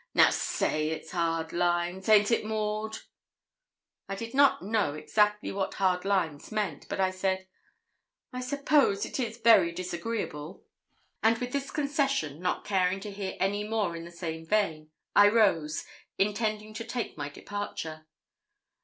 Now, say it's hard lines haint it, Maud?' I did not know exactly what hard lines meant, but I said 'I suppose it is very disagreeable.' And with this concession, not caring to hear any more in the same vein, I rose, intending to take my departure.